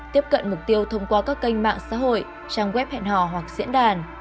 tiếp cận mục tiêu thông qua các kênh mạng xã hội trang web hẹn hò hoặc diễn đàn